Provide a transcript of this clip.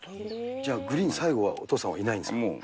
じゃあ、グリーン最後はお父さんいないんですか。